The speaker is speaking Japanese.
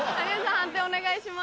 判定お願いします。